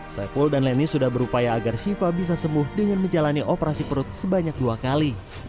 saiful dan leni sudah berupaya agar shiva bisa sembuh dengan menjalani operasi perut sebanyak dua kali